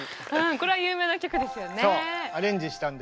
これは有名な曲ですよね。